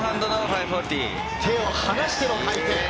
手を離しての回転。